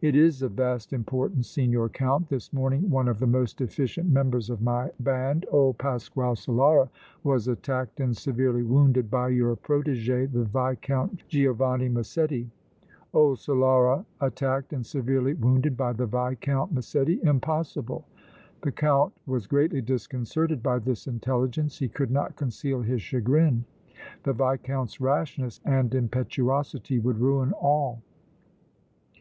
"It is of vast importance, Signor Count. This morning one of the most efficient members of my band, old Pasquale Solara, was attacked and severely wounded by your protégé the Viscount Giovanni Massetti!" "Old Solara attacked and severely wounded by the Viscount Massetti? Impossible!" The Count was greatly disconcerted by this intelligence; he could not conceal his chagrin. The Viscount's rashness and impetuosity would ruin all!